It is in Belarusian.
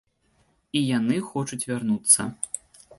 І яны хочуць вярнуцца.